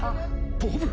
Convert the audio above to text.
ボブ？